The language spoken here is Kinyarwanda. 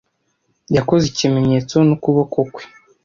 Yakoze ikimenyetso n'ukuboko kwe.